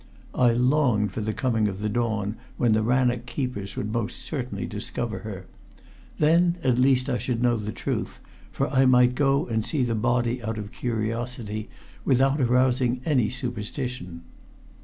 I longed for the coming of the dawn when the Rannoch keepers would most certainly discover her. Then at least I should know the truth, for I might go and see the body out of curiosity without arousing any suspicion.